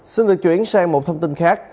xin được chuyển sang một thông tin khác